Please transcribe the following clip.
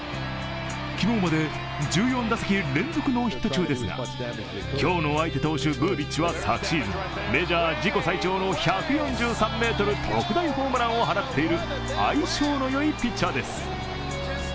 昨日まで１４打席連続ノーヒット中ですが今日の相手投手・ブービッチは昨シーズン、メジャー自己最長の１４３ｍ特大ホームランを放っている相性のいいピッチャーです。